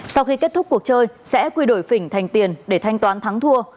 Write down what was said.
sau khi kết thúc cuộc chơi sẽ quy đổi phỉnh thành tiền để thanh toán thắng thua